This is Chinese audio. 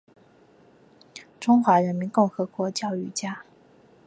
中华人民共和国教育家。